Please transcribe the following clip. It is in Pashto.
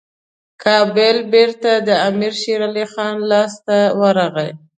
کابل بیرته د امیر شېرعلي خان لاسته ورغی.